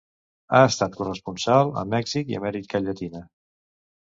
Ha estat corresponsal a Mèxic i Amèrica Llatina.